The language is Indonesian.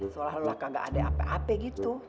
seolah olah kagak ada apa apa gitu